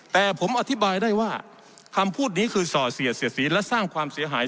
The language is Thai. แต่ผมอธิบายได้ว่าคำพูดนี้คือส่อเสียเสียสีและสร้างความเสียหาย